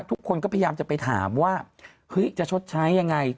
ทุกคนก็พยายามจะไปถามว่าเฮ้ยจะชดใช้ยังไง